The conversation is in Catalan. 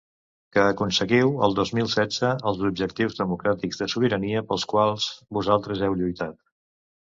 Que aconseguiu el dos mil setze els objectius democràtics de sobirania pels quals vosaltres heu lluitat